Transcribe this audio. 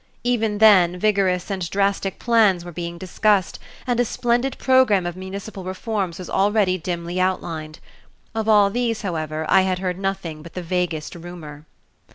Even then, vigorous and drastic plans were being discussed, and a splendid program of municipal reforms was already dimly outlined. Of all these, however, I had heard nothing but the vaguest rumor.